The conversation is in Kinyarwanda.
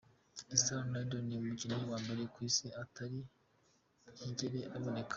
"Christiano Ronaldo ni umukinyi wa mbere kwisi atari bwigere aboneka.